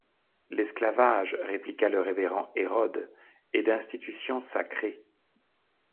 L’esclavage, répliqua le révérend Hérode, est d’institution sacrée.